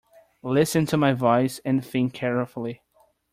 Listen to my voice and think carefully.